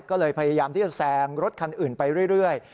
ก็เลยพยายามที่จะแซงรถคันอื่นไปเรื่อย